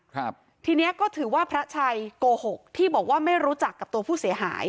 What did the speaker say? ทีเนี้ยก็ถือว่าพระชัยโกหกที่บอกว่าไม่รู้จักกับตัวผู้เสียหาย